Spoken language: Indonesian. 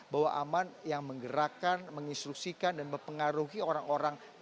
bahwa aman yang menggerakkan menginstruksikan dan mempengaruhi orang orang